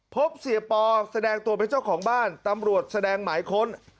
พบเสียปอแสดงตัวเป็นเจ้าของบ้านตำรวจแสดงหมายค้น